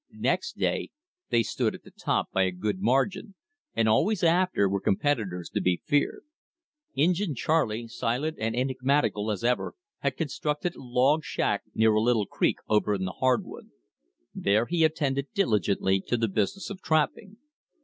Next day they stood at the top by a good margin, and always after were competitors to be feared. Injin Charley, silent and enigmatical as ever, had constructed a log shack near a little creek over in the hardwood. There he attended diligently to the business of trapping.